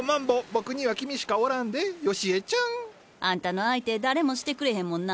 僕には君しかおらんでよしえちゃん。あんたの相手誰もしてくれへんもんな。